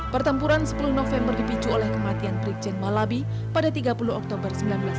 pertempuran sepuluh november dipicu oleh kematian brigjen malabi pada tiga puluh oktober seribu sembilan ratus sembilan puluh